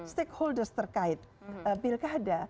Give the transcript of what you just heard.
stakeholders terkait pilkada